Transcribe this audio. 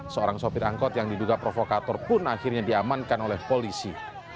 seorang sopir angkot yang diduga provokator pun akhirnya diamankan oleh polisi